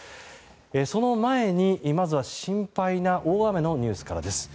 その前に、まずは心配な大雨のニュースからです。